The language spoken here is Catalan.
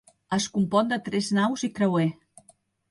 Es compon de tres naus i creuer.